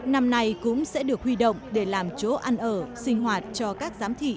năm nay cũng sẽ được huy động để làm chỗ ăn ở sinh hoạt cho các giám thị